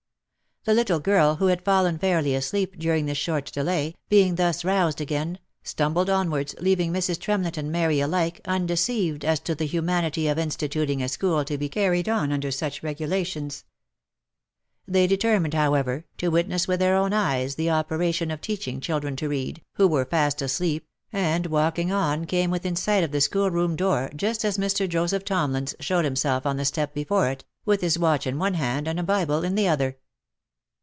The little girl who had fallen fairly asleep, during this short delay, being thus roused again, stumbled onwards, leaving Mrs. Tremlett and Mary alike undeceived as to the humanity of instituting a school to be carried on under such regulations. They determined, however, to witness with their own eyes the operation of teaching children to read, who were fast asleep, and walking on came within sight of the school room door just as Mr. Joseph Tomlins showed himself on the step before it, with his watch in one hand and a bible in the other.